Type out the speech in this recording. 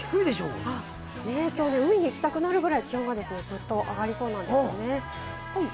今日、海に行きたくなるようなぐらい気温がグっと上がるんですね。